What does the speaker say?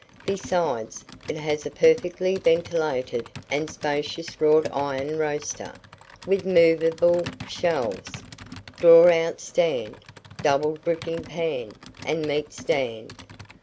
Besides, it has a perfectly ventilated and spacious wrought iron roaster, with movable shelves, draw out stand, double dripping pan, and meat stand.